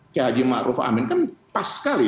kehaji ma'ruf amin kan pas sekali